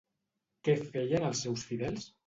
Què feien els seus fidels?